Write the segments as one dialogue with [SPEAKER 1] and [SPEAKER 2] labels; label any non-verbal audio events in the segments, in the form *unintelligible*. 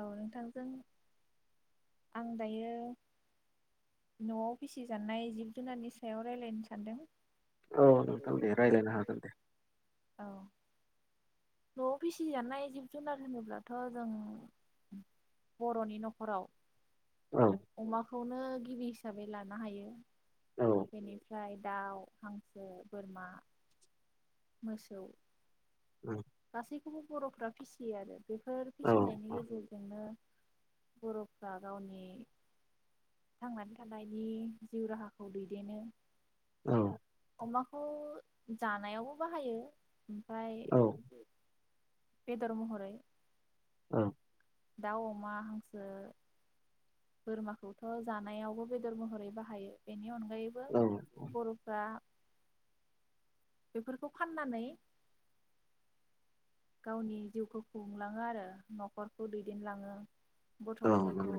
[SPEAKER 1] औ नोंथांजों आं दायो न'आव फिसिजानाय जिब जुनारनि सायाव रायलायनो सानदों।
[SPEAKER 2] औ नोंथां दे रायलायनो हागोन दे।
[SPEAKER 1] औ न'आव फिसिजानाय जिब जुनार होनोब्लाथ' जों बर'नि न'खराव
[SPEAKER 2] औ
[SPEAKER 1] खौनो गिबि हिसाबै लानो हायो बिनिफ्राय दाउ हांसो बोरमा मोसौ गासैखौबो बरफ्रा फिसियो आरो बेफोर फिसिनायनि गेजेरजों जोंनो बरफ्रा गावनि थांनानै थानायनि जिउ राहाखौ दैदेनो
[SPEAKER 2] औ
[SPEAKER 1] अमाखौ जानायावबो बाहायो
[SPEAKER 2] औ
[SPEAKER 1] बेदर महरै
[SPEAKER 2] औ
[SPEAKER 1] दाउ अमा हांसो बोरमाखौथ जानायावबो बेदर महरै बाहायो बेनि अनग अनगायैबो बर बा बेफोरखौ फाननानै गावनि जिउखौ खुंलाङो आरो नखरखौ दैदेनलाङो गथ गथायखौ।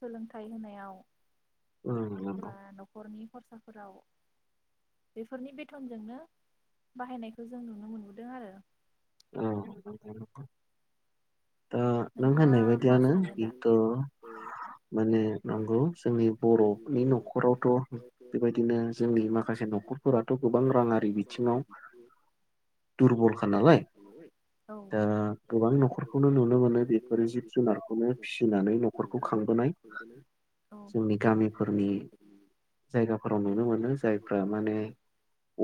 [SPEAKER 1] सोलोंथाइ होनायाव। बा नखरनि खरसाफोराव बेफोरनि बेथनजोंनो बाहायनायखौ जों नुनो मोनबोदों आरो।
[SPEAKER 2] औ नंगौ नंगौ। दा नों होननाय बायदियानो जिथु माने नंगौ जोंनि बरनि नखरावथ बेबायदिनो जोंनि माखासे नखरफोराथ गोबां राङारि बिथिङाव दुरबलखा नालाय। दा गोबां नखरखौनो नुनो मोनो बे। *unintelligible* जिब जुनारखौनो फिसिनानै नखरखौ खांबोनाय जोंनि गामिफोरनि जायगाफोराव नुनो मोनो जायफ्रा माने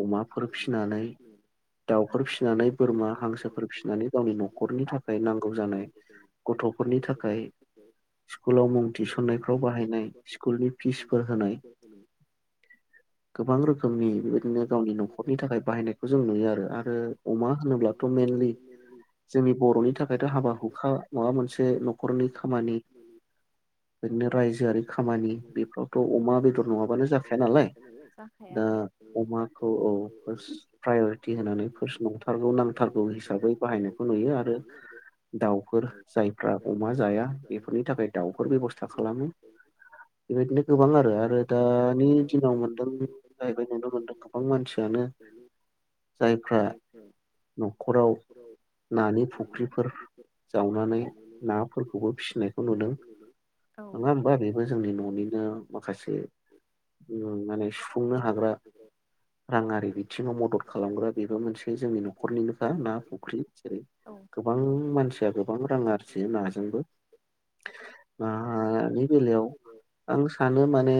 [SPEAKER 2] अमाफोर फिनानै दाउफोर। फिसिनानै बोरमा हांसोफोर फिसिनानै गावनि नखरनि थाखाय नांगौ जानाय गथफोरनि थाखाय स्कुलाव मुं थिसन्नायफ्राव बाहायनाय स्कुलनि फिसफोर होनाय गोबां रोखोमनि बेबायदिनो गावनि नखरनि थाखाय बाहायनायखौ जों नुयो आरो आरो अमा होनोब्ला। मेनलि जोंनि बरनि थाख बायथ हाबा हुखा माबा मोनसे नखरनि खामानि बिदिनो रायजोआरि खामानि बेफोरावथ अमा बेदर नङाबानो जाखाया नालाय दा अमाखौ औ फार्स्ट प्रायरिटि होनानै फार्स्ट नंथारगौ नांथारगौ। हिसाबै बाहायनायखौ नुयो आरो। दाउफोर जायफ्रा अमा जाया बेफोरनि थाखाय दाउफोर बेबस्था खालामो बेबायदिनो गोबां आरो आरो दानि दिनाव मोनदों जाहैबाय नुनो मोनदों गोबां मानसियानो जायफ्रा नखराव नानि फुख्रिफोर। जावनानै नाफोरखौबो फिसिनायखौ नुदों नङा होमबा बेबो जोंनि ननिनो माखासे ओ-माने सुफुंनो हाग्रा राङारि बिथिङाव मदद खालामग्रा बेबो मोनसे जोंनि नख जा ना फख्रि जेरै। गोबां मानसिया गोबां रां आरखि नाजोंबो नानि बेलायाव आं सानो माने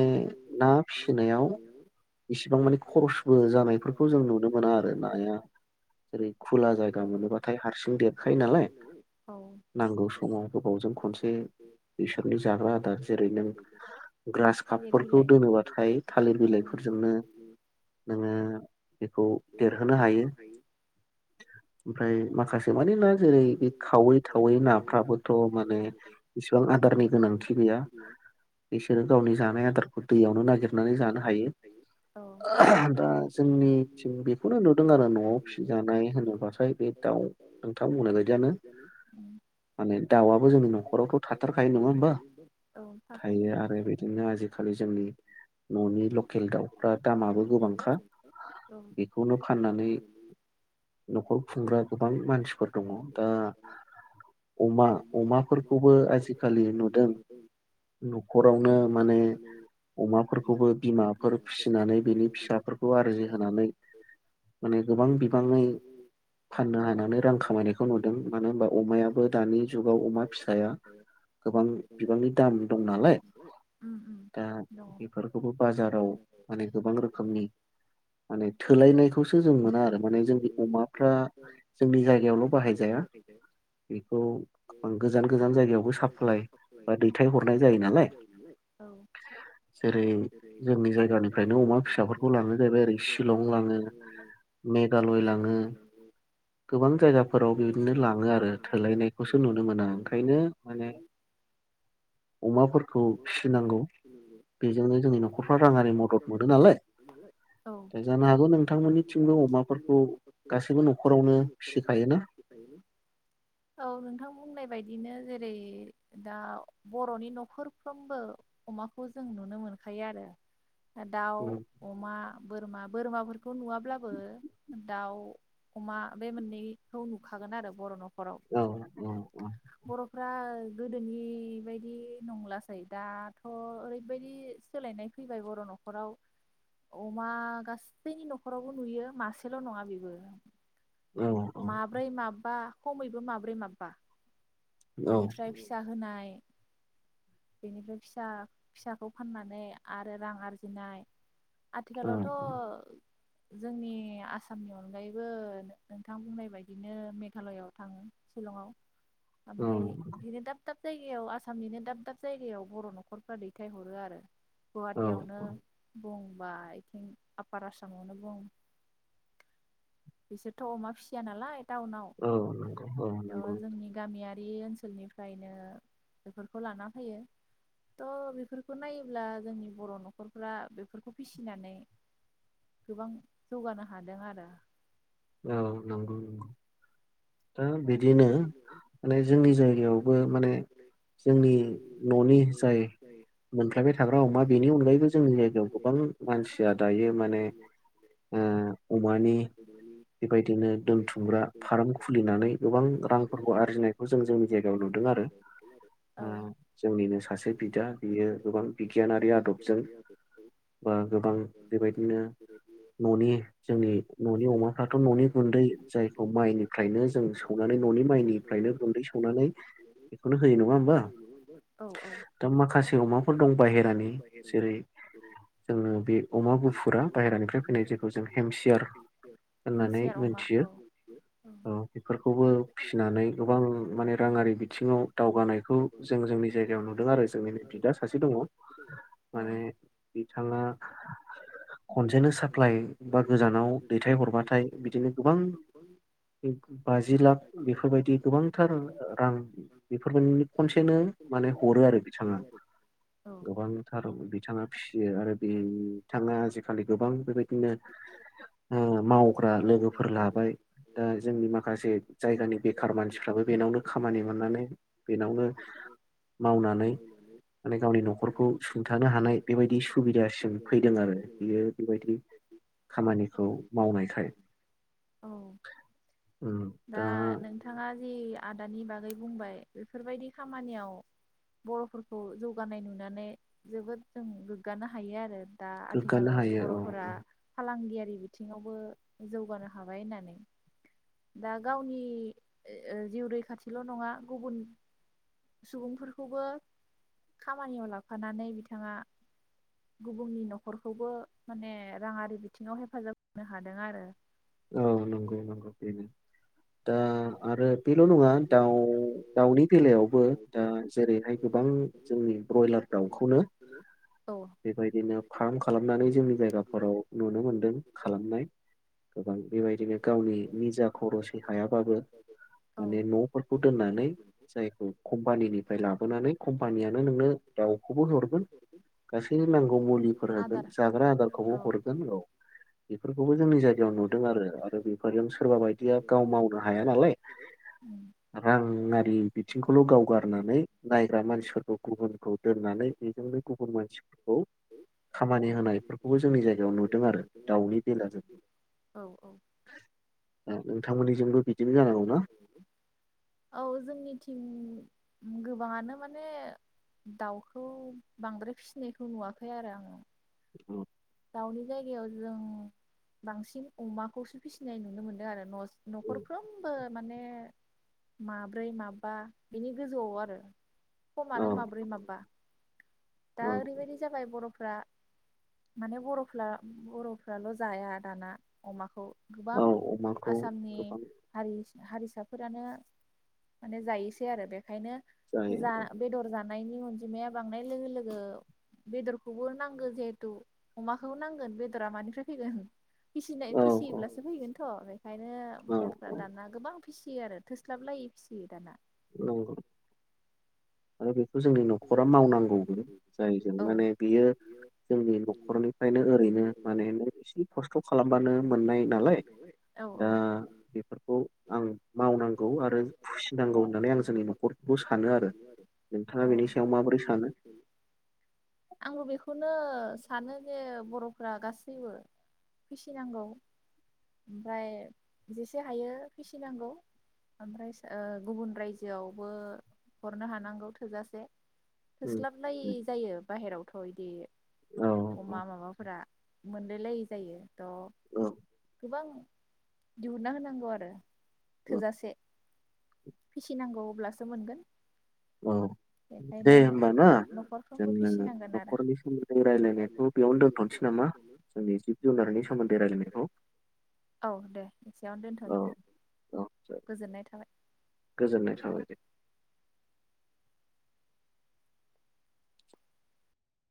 [SPEAKER 2] ना फिसिनायाव इसिबां माने खरसबो जानायफोरखौ जों नुनो मोना आरो नाया। जेरै खुला जायगा मोनोबाथाय हारसिं देर नालाय नांगौ समाव गोबावजों खनसे बिसोरनि जाग्रा आदार जेरै नों ग्रास कापफोरखौ दोनोबाथाय थालिर बिलाइफोरजोंनो नोङो बेखौ देरहोनो हायो। ओमफ्राय माखासे *unintelligible* बे खावै थावै नाफ्राबोथ माने इसिबां आदारनि गोनांथि गैया बिसोरो गावनि जानाय आदारखौ दैयावनो नागिरनानै जानो हायो दा जोंनिथिं बेखौनो नुदों आरो नआव माय होनोब्लाथाय बे दाउ नोंथां बुंनाय बायदियानो माने दावआबो जोंनि नखरावथ थाथारखायो नङा होमबा थायो आरो बिदिनो आजिखालि जोंनि ननि लकेल दाउफ्रा दामाबो गोबांखा बेखौनो फाननानै नखर खुंग्रा गोबां मानसिफोर दङ दा अमा अमाफोरखौबो आजिखालि नुदों नखरावनो माने अमाफोरखौबो बिमाफोर फिसिनानै बिनि फिसाफोरखौ आरजिहानै माने गोबां बिबाङै फाननो हानानै रां खामाय नायखौ नुदों मानो होननानै बुङोबा अमायाबो दानि जुगाव अमा फिसाया गोबां बिबांनि दाम दं नालाय दा बेफोरखौबो बाजाराव माने गोबां रोखोमनि माने थोनायनिखौसो ल बाहाय जाया बेखौ गोजान गोजान जायबो साफ्लाय बा दैथाय हरनाय जायो नालाय जेरै जोंनि जायगानिफ्रायनो अमा फिसाफोरखौ लाङो जाहैबाय आरो ओरै सिलं लाङो मेघालय लाङो गोबां जायगाफोराव बिदिनो लाङो आरो थोलायनायखौसो नुनो मोना ओंखायनो माने अमाफोरखौ फिसिनांगौ बेजोंनो जोंनि नखरफ्रा राङारि मदद मोनो नालाय दा जानो हागौ नों थांमोननिथिंबो अमाफोरखौ गासैबो नखरावनो फिसिखायोना?
[SPEAKER 1] जेरै दा बर'नि नखर फ्रोमबो अमाखौ जों नुनो मोनखायो आरो दाउ, अमा बोरमा बोरमाफोर खौ नुवाब्लाबो दाउ अमा बे मोननैखौ नुखागोन आरो बर' नख राव बर'फ्रा गोदोनि बायदि नंलास न दाथ ओरैबायदि सोलायनाय फैबाय बर' नखराव अमा गासैनि नखरावबो नुयो मासेल नङा बेबो माब्रै माबा खमैबो माब्रै माबा बिनिफ्राय फिसा होनाय बेनिफ्राय फिसा फिसाखौ फाननानै आरो रां आरजिनाय आथिखालावथ' जोंनि आसामनि अनगायैबो नोंथां बुंनाय बायदिनो मेघालयआव थाङो शिलंआव ओमफ्राय बिनो दा ब जायगायाव आसामनिनो दाब दाब जायगायाव बर' नखरफ्रा दैथायहरो आरो। गुवाहाटियावनो बुंबा इथिं आफार आसामावनो बुं बिसोरथ अमा फिसिया नालाय। टाउनाव जोंनि गामियारि बि ओनसोलनिफ्रायनो बेफोरखौ लाना होयो त बेफोरखौ नायोब्ला जोंनि बर' न'खरफ्रा बेफोरखौ फिसिनानै गोबां जौगानो हादों आरो।
[SPEAKER 2] औ नंगौ नंगौ दा बिदिनो माने जोंनि जायगायावबो माने जोंनि न'नि जाय मोनफ्लाबाय थाग्रा अमा बेनि अनगायैबो जोंनि जायगायाव गोबां मानसिया दायो माने अमानि बेबायदिनो दोनथुमग्रा फार्म खुलिनानै गोबां रांफोरखौ आरजिनायखौ जों जोंनि जायगायाव नुदों आरो ओ जोंनिनो सासे बिदा बियो गोबां बिगियानारि आदबजों बा गोबां बेबायदिनो न'नि जोंनि न'नि अमा दाथ न'नि गुन्दै जायखौ माइनिफ्रायनो जों सौनानै न'नि माइनिफ्रायनो गुन्दै संनानै बेखौनो होयो नङा होमबा दा माखासे अमाफोर दं बाहेरानि जेरै जों बे अमा गुफुरा बाहेरानिफ्राय फैनाय जायखौ जों हेमसियार
[SPEAKER 1] हेमसियार अमा औ औ।
[SPEAKER 2] बे खौबो फिसिनानै गोबां माने रांङारि बिथिंङाव दावगानायखौ जों जोंनि जायगायाव नुदों आरो जोंनिनो बिदा सासे दङ माने बिथांङा खनसेनो साप्लााय बा गोजानाव दैथाय हरबानो नाथाय बिदिनो गोबां बाजि लाख बेफोर बायदि गोबांथार रां बेफोर बायदि खनसेनो माने हरो आरो बिथांङा गोबांथार बिथांङा फिसियो आरो नोंथांआ आजि खालि गोबां बेबायदिनो माव लोगोफोर लाबाय दा जोंनि माखासे जायगानि बेखार मानसिफ्राबो बेनावनो खामानि मोननानै बेनावनो मावनानै माने गावनि न'खरखौ सुंथानो हानाय बेबायदि सुबिदासिम फैदों आरो बियो बेबायदि खामानिखौ मावनायखाय
[SPEAKER 1] औ दा नोंथांङा जि आदानि बागै बुंबाय बेफोर बायदि खामानियाव बर'फोरखौ जौगानाय नुनानै जोबोद जों गोग्गानो हायो आरो। दा आथिखालाव। बर'फोरा फालांगियारि ह बिथिङावबो जौगानो हाबाय होननानै दा गावनि जिउ रैखाथिल नङा गुबुन सुबुंफोरखौबो खामानियाव लाफानानै बिथांङा गुबुननि न'खरखौबो माने रांङारि बिथिङाव हेफाजाब होनो हादों आरो।
[SPEAKER 2] अ नंगौ नंगौ बिनो। दा आरो बेल नङा दाउ दाउनि बेलायावबो दा जेरै हाय गोबां जोंनि ब्रयलार दाउखौनो बेबायदिनो फार्म खालामनानै जोंनि जायगाफोराव नुनो मोनदों खालामनाय। बेबायदिनो गावनि निजा खरसै हायाबाबो माने नफोरखौ दोननानै जायखौ कम्पानिनिफ्राय लाबोनानै कम्पानियानो नोंनो दाउखौबो हरगोन गासै नांगौ मुलिफोर होगोन जाग्रा आदारखौबो हरगोन औ बेफोरखौबो जोंनि जायगायाव नु दों आरो बेफोरजों सोरबा बायदिया गाव मावनो हाया नालाय रांनारि बिथिंखौल गाव गारनानै नायग्रा मानसिफोरखौ गुबुनखौ दोननानै बेजोंनो गुबुन मानसिफोरखौ खामानि होनायफोरखौबो जोंनि जायगायाव नुदों आरो दाउनि बेलाजों
[SPEAKER 1] औ औ औ जोंनि थिं गोबाङानो माने दाउखौ बांद्राय फिसिनायखौ नुवाखै आरो आङो।
[SPEAKER 2] औ।
[SPEAKER 1] दाउनि जायगायाव जों बांसिन अमाखौसो फिसिनाय नुनो मोनदों आरो न' नखरफ्रोमबो माने माब्रै माबा बिनि गोजौआव आरो खमानो माब्रै माबा। दा ओरै बायदि जाबाय बर'‌ फोरा माने बर'फ्ला बरफ्राल जाया दाना अमाखौ। गोबां आसामनि हारि हारिसाफोरानो माने जायोसै आरो बे ओंखायनो जा बेदर नायनि अनजिमाया बांनाय लोगो लोगो गो बेदरखौबो नांगौ जिहेथु अमाखोबो नांगोन बेदरा मानिफ्राय फैगोन फिसिनाय फिसियोब्लासो फैगोनथ बे ओंखायनो बर'फ्रा दाना गोबां फिसियो आरो थोस्लाबलायै फिसियो दाना
[SPEAKER 2] नंगौ। आरो बेखौ जोंनि न'खरा मावनांगौबो जायजों माने बियो जोंनि न'खरनिफ्रायनो ओरैनो माने एसे खस्थ खालामबानो मोननाय नालाय दा बेफोरखौ आं मावनांगौ आरो फिसुनांगौ नानै आं जोंनि नखरखौ सानो आरो नोंथाङा बेनि सायाव माबोरै सानो?
[SPEAKER 1] नो सानो जे बर'फ्रा‌ गासैबो फिसिनांगौ ओमफ्राय जेसे हायो फिसिनांगौ ओमफ्राय सो ओ गुबुन रायजोआवबो हरनो हानांगौ। थोजासे थोस्लाब लायि जायो बाहेरावथ‌ इदि अमा माबाफोरा मोनलाय लायै जायो। द' गोबां दिहुनना होनांगौ आरो थोजासे फिसिनांगौ अब्लासो मोनगोन बेखायनो न'खरफ्रोमबो फिसिनांगोन आरो औ दे एसेयावनो दोनथसै गोजोननाय थाबाय।